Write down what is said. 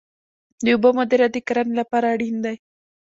د اوبو مدیریت د کرنې لپاره اړین دی